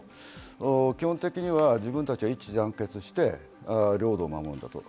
基本的には自分たちは一致団結して、領土を守るんだと。